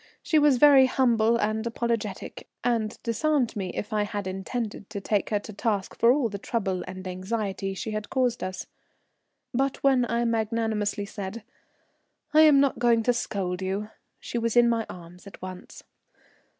She was very humble and apologetic, and disarmed me if I had intended to take her to task for all the trouble and anxiety she had caused us. But when I magnanimously said, "I am not going to scold you," she was in my arms at once.